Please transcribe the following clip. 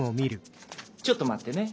ちょっと待ってね。